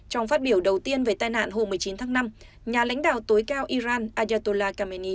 trong phát biểu đầu tiên về tai nạn hôm một mươi chín tháng năm nhà lãnh đạo tối cao iran anatola kamenia